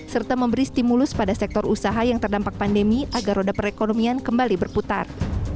serta memberi stimulus pada sektor usaha yang terdampak pandemi agar roda perekonomian kembali berputar